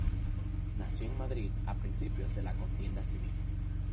Nació en Madrid a principios de la contienda civil.